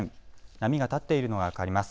波が立っているのが分かります。